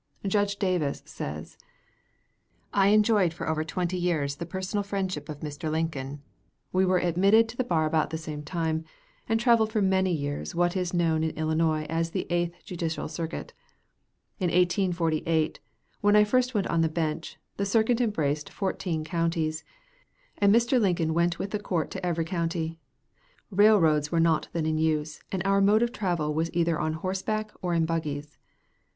Judge Davis says: I enjoyed for over twenty years the personal friendship of Mr. Lincoln. We were admitted to the bar about the same time and traveled for many years what is known in Illinois as the Eighth Judicial Court. In 1848, when I first went on the bench, the circuit embraced fourteen counties, and Mr. Lincoln went with the Court to every county. Railroads were not then in use, and our mode of travel was either on horseback or in buggies.